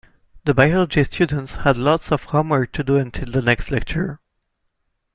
The biology students had lots of homework to do until the next lecture.